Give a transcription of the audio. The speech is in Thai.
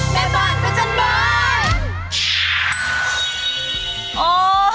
แม่บ้านพัฒนบ้าน